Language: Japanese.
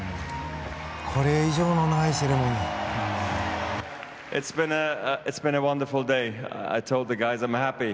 これ以上ないセレモニー。